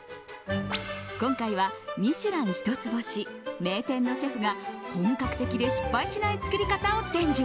今回は「ミシュラン」一つ星名店のシェフが本格的で失敗しない作り方を伝授。